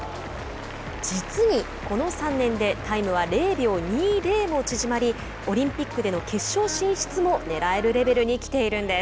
実にこの３年でタイムは０秒２０も縮まりオリンピックでの決勝進出もねらえるレベルに来ています。